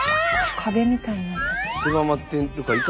壁みたいになっちゃった。